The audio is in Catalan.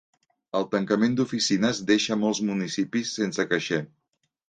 El tancament d'oficines deixa molts municipis sense caixer.